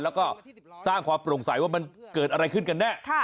แล้วก็สร้างความโปร่งใสว่ามันเกิดอะไรขึ้นกันแน่